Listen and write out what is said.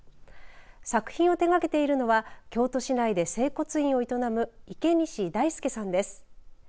作品を手がけているのは京都市内で整骨院を営む池西大輔さんです。